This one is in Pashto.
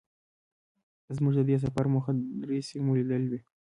زمونږ د دې سفر موخه درېيو سیمو لیدل وو.